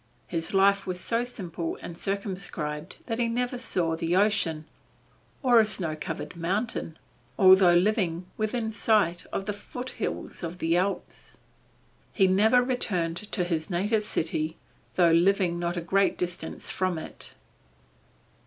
His life was so simple and circumscribed that he never saw the ocean, or a snow covered mountain, although living within sight of the foothills of the Alps. He never returned to his native city though living not a great distance from it.